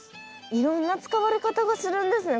いろんな使われ方がするんですね